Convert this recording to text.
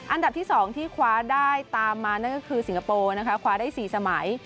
อันดับที่๒ที่คว้าได้ตามมานั่นก็คือสิงคโปร์นะคะคว้าได้๔สมัย